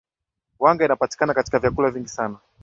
wanga inapatikana katika vyakula vingi sana